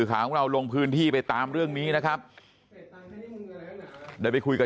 บางช่วงก็ยืนเล่นโทรศัพท์